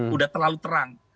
sudah terlalu terang